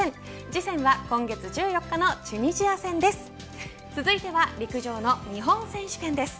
次戦は今月１４日のチュニジア戦です。